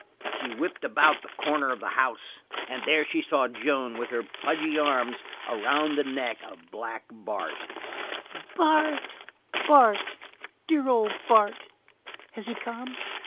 She whipped about the corner of the house and there she saw Joan with her pudgy arms around the neck of Black Bart. "Bart! Dear old Bart! Has he come?